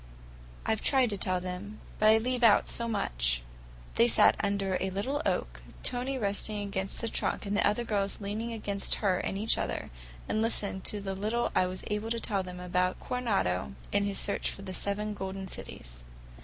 I've tried to tell them, but I leave out so much." They sat under a little oak, Tony resting against the trunk and the other girls leaning against her and each other, and listened to the little I was able to tell them about Coronado and his search for the Seven Golden Cities.